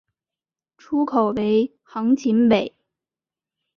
出口为横琴北。